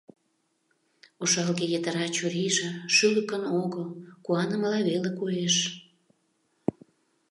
Ошалге йытыра чурийже шӱлыкын огыл, куанымыла веле коеш.